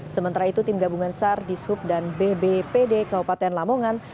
sementara itu tim gabungan sar di sub dan bbpd kabupaten lamongan